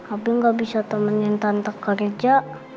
abi gak bisa temenin tante kerja